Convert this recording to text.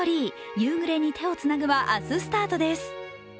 「夕暮れに、手をつなぐ」は明日スタートです。